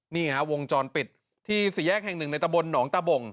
นี่ฮะวงจรปิดที่สี่แยกแห่งหนึ่งในตะบนหนองตะบ่ง